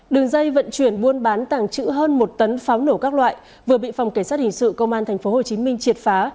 đường dây vận chuyển buôn bán tàng trữ hơn một tấn pháo nổ các loại vừa bị phòng cảnh sát hình sự công an tp hcm triệt phá